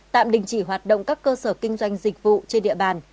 tạm đình chỉ hoạt động các cơ sở kinh doanh dịch vụ trên địa bàn